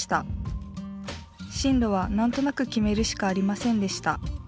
進路は何となく決めるしかありませんでした。